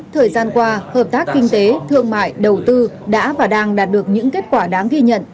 thời gian qua hợp tác kinh tế thương mại đầu tư đã và đang đạt được những kết quả đáng ghi nhận